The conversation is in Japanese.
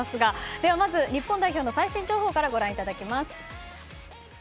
ではまず、日本代表の最新情報からご覧いただきます。